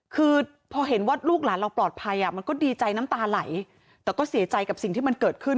คือพอเห็นว่าลูกหลานเราปลอดภัยมันก็ดีใจน้ำตาไหลแต่ก็เสียใจกับสิ่งที่มันเกิดขึ้น